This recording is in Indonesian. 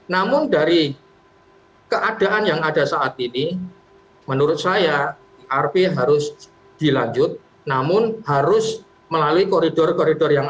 namun dari keadaan yang ada saat ini menurut saya irp harus dilanjut namun harus melalui koridor koridor yang